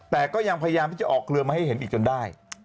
แต่ก็ยังพยายามที่จะออกเรือมาให้เห็นอีกจนได้